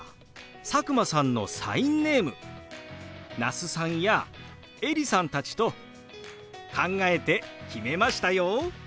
佐久間さんのサインネーム那須さんやエリさんたちと考えて決めましたよ。